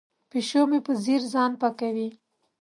پیشو مې په ځیر ځان پاکوي.